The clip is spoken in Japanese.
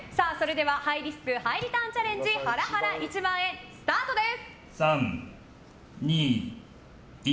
ハイリスクハイリターンチャレンジハラハラ１万円スタートです！